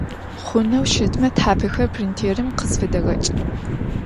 Xhuneu şıtme thapexer printêrım khısfıdeğeç'.